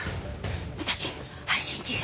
武蔵配信中よ！